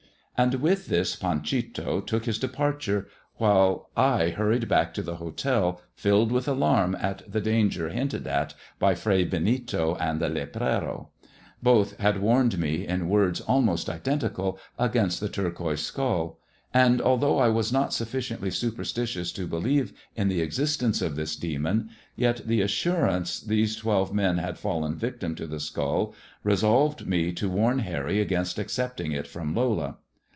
And with this Panchito took his departure, whih hurried back to the hotel, filled with alarm at the dan{ hinted at by Fray Benito and the Upero, Both had wan me, in words almost identical, against the turquoiBe sk And although I was not sufficiently superstitious to beti in the existence of this demon, yet the assurance t twelve men had fallen victims to the skull resolved me warn Harry against accepting it from Lola.